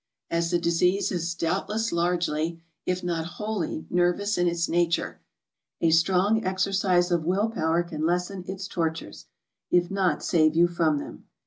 As the disease is doubtless largely, if not wholly, nervous in its nature, a strong exercise of will power can lessen its tortures, if not save you from them.